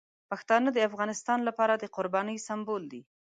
پښتانه د افغانستان لپاره د قربانۍ سمبول دي.